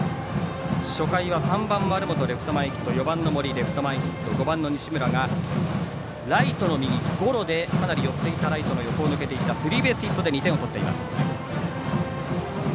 初回は３番、丸本レフト前ヒット４番、森がレフト前ヒット５番、西村がライトの右ゴロでかなり寄っていたライトの右を抜けていってスリーベースヒットで１点を取っています。